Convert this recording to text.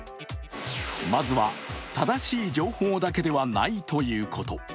まずは正しい情報だけではないということ。